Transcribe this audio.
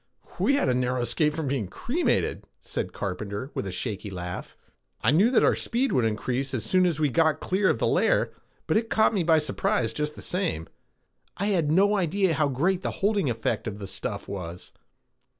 "We had a narrow escape from being cremated," said Carpenter with a shaky laugh. "I knew that our speed would increase as soon as we got clear of the layer but it caught me by surprise just the same. I had no idea how great the holding effect of the stuff was.